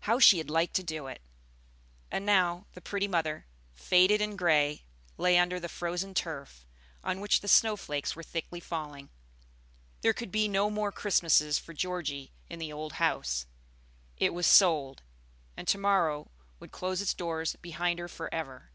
how she had liked to do it! And now, the pretty mother, faded and gray, lay under the frozen turf, on which the snow flakes were thickly falling. There could be no more Christmases for Georgie in the old house; it was sold, and to morrow would close its doors behind her forever.